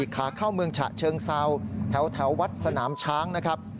ขาเข้าเมืองฉะเชิงเซาแถววัดสนามช้างนะครับ